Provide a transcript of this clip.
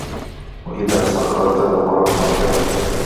وَإِذَا صَغَّرْتَهُ عَظَّمْتَهُ